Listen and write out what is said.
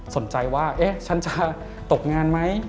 สนใจว่าเอ๊ะฉันจะตกงานไหม